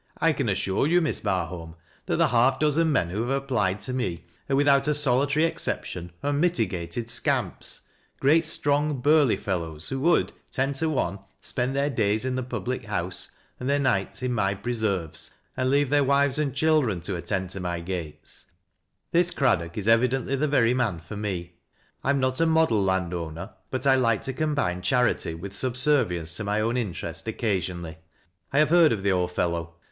" I can assure you, Miss Bai aolm, that the half dozen men who have applied to me are without a solitary exception, unmitigated scamps — greai strong burly fellows, who would, ten to one, spend theii days in the public house, and their nights in my presorvcEj and leave their wives and children to attend to my gates This Craddock is e\'idently the very man for me ; I am not a model land owner, but I like to combine charity with subservience to my own interest occasionally. I have heard of the old fellow.